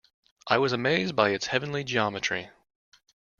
I was amazed by its heavenly geometry.